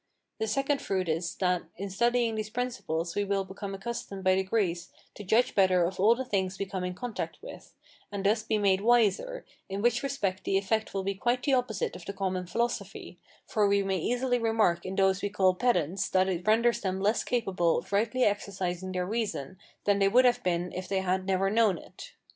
The second fruit is, that in studying these principles we will become accustomed by degrees to judge better of all the things we come in contact with, and thus be made wiser, in which respect the effect will be quite the opposite of the common philosophy, for we may easily remark in those we call pedants that it renders them less capable of rightly exercising their reason than they would have been if they had never known it.